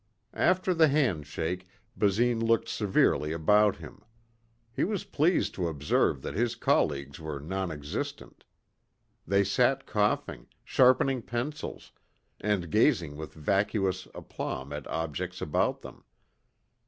After the handshake Basine looked severely about him. He was pleased to observe that his colleagues were non existent. They sat coughing, sharpening pencils and gazing with vacuous aplomb at objects about them.